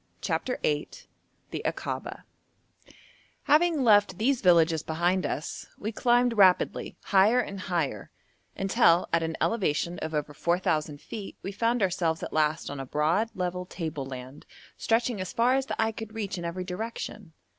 CHAPTER VIII THE AKABA Having left these villages behind us, we climbed rapidly higher and higher, until at an elevation of over 4,000 feet we found ourselves at last on a broad, level table land, stretching as far as the eye could reach in every direction.